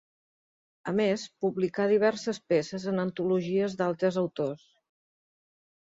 A més publicà diverses peces en antologies d'altres autors.